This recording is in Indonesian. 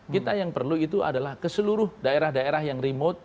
kita yang perlu itu adalah ke seluruh daerah daerah yang remote